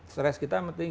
stress kita penting